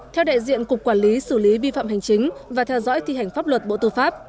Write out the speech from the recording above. theo đại diện cục quản lý xử lý vi phạm hành chính và theo dõi thi hành pháp luật bộ tư pháp